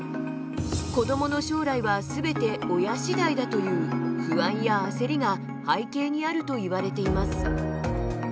子どもの将来は全て親次第だという不安や焦りが背景にあるといわれています。